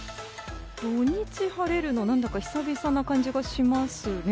土日、晴れるのは久々な感じがしますね。